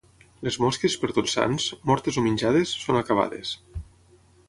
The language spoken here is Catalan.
Les mosques, per Tots Sants, mortes o menjades, són acabades.